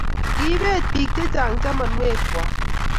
kiibet biik che chang' chamanwek kwak